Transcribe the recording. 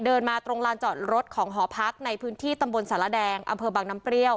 เดินมาตรงลานจอดรถของหอพักในพื้นที่ตำบลสารแดงอำเภอบางน้ำเปรี้ยว